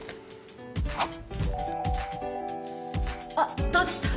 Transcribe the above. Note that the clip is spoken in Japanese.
あっどうでした？